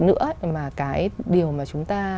nữa mà cái điều mà chúng ta